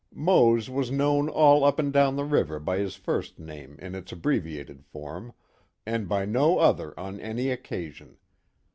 Mose was known all up and down the river by his first name in its abbreviated form, and by no other on any occasion.